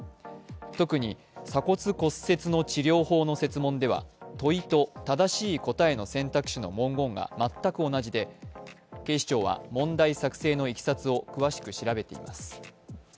特に、鎖骨骨折の治療法の設問では問いと正しい答えの選択肢の文言が全く同じで警視庁は問題作成のいきさつを詳しく調べています。